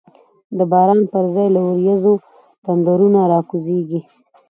د باران پر ځای له وریځو، تندرونه را کوزیږی